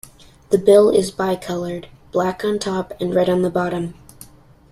The bill is bicolored: black on top and red on the bottom.